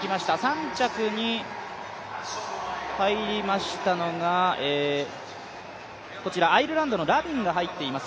３着に入りましたのがこちら、アイルランドのラビンが入っています。